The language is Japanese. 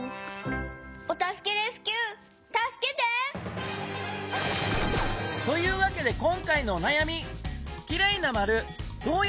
お助けレスキューたすけて！というわけで今回のおなやみ。